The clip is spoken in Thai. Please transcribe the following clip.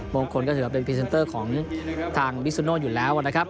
มงคลก็ถือว่าเป็นของทางมิซุโน่อยู่แล้วนะครับ